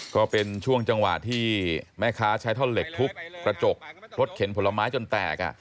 ก็เป็นช่วงจังหวะที่แม่ค้าใช้ท่อนเหล็กทุบกระจกรถเข็นผลไม้จนแตก